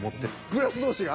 グラス同士が？